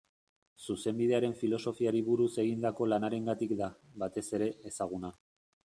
Zuzenbidearen filosofiari buruz egindako lanarengatik da, batez ere, ezaguna.